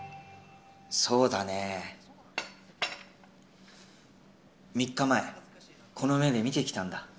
そうだね、３日前、この目で見てきたんだ。